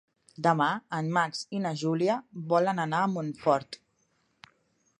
Demà en Max i na Júlia volen anar a Montfort.